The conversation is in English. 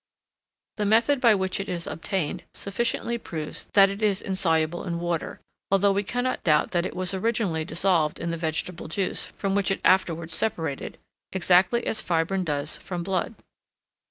The method by which it is obtained sufficiently proves that it is insoluble in water; although we cannot doubt that it was originally dissolved in the vegetable juice, from which it afterwards separated, exactly as fibrine does from blood.